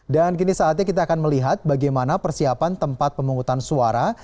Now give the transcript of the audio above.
dan kini saatnya kita akan melihat bagaimana persiapan tempat pemungutan suara